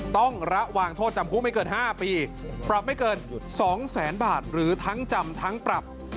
ต้องระวังโทษจำคุกไม่เกิน๕ปีปรับไม่เกิน๒แสนบาทหรือทั้งจำทั้งปรับ